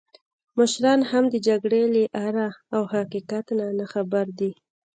مشران هم د جګړې له آره او حقیقت نه ناخبره دي.